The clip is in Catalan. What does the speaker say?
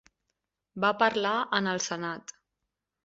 Va parlar en el senat.